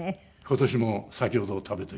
今年も先ほど食べてきました。